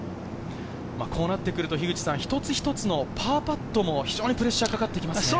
こうなってくると、一つ一つのパーパットも非常にプレッシャーがかかってきますね。